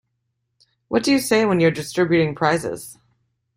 What do you say when you're distributing prizes?